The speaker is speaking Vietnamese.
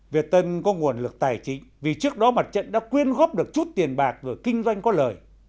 việt tân có nguồn lực tài chính vì trước đó mặt trận đã quyên góp được chút tiền bạc rồi kinh doanh có lời